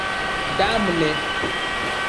Damne!